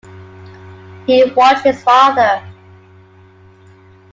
He watched his father.